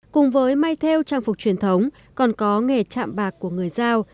cùng với may theo trang phục truyền thống còn có nghề chạm bạc của người giao